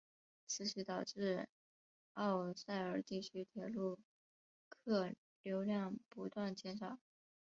此举导致欧塞尔地区铁路客流量不断减少。